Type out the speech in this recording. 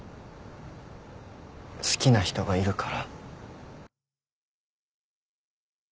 好きな人がいるから。